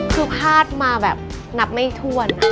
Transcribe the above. คือพาดมาแบบนับไม่ทวนอะ